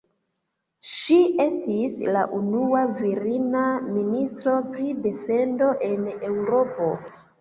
Ŝi estis la unua virina ministro pri defendo en Eŭropo.